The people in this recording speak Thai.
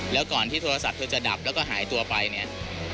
แล้วก่อนที่โทรศัพท์เธอจะดับแล้วก็หายตัวไปเนี่ย